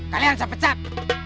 kalian saya pecat